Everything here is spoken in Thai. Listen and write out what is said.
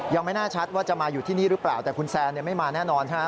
ยังไม่แน่ชัดว่าจะมาอยู่ที่นี่หรือเปล่าแต่คุณแซนไม่มาแน่นอนใช่ไหม